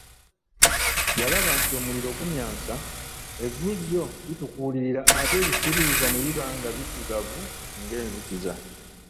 Yalaba nti omuliro gumyansa, evvu lyo litukuulirira ate ebisiriiza ne biba nga biddugala ng’enzikiza.